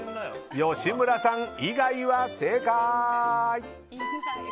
吉村さん以外は正解。